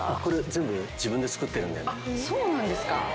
そうなんですか？